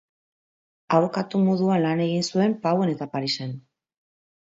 Abokatu moduan lan egin zuen Pauen eta Parisen.